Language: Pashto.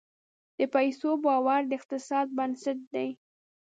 د پیسو باور د اقتصاد بنسټ دی.